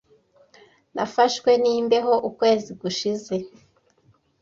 Nafashwe n'imbeho ukwezi gushize.